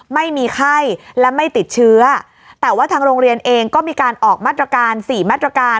ไม่มีไข้และไม่ติดเชื้อแต่ว่าทางโรงเรียนเองก็มีการออกมาตรการสี่มาตรการ